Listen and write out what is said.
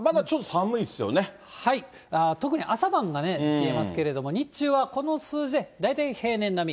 はい、特に朝晩がね、冷えますけれども、日中はこの数字で大体平年並み。